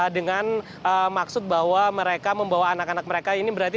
dengan maksud bahwa mereka membawa anak anak mereka